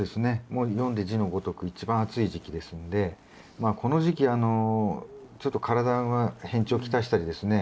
もう読んで字のごとく一番暑い時期ですんでまあこの時期ちょっと体が変調来したりですね